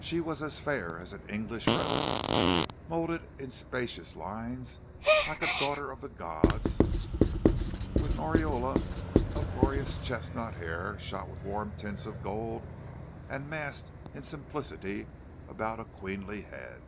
She was fair as an English rose, moulded in spacious lines like a daughter of the gods, with an aureole of glorious chestnut hair, shot with warm tints of gold and massed in simplicity about a queenly head.